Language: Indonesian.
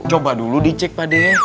coba dulu dicek pak de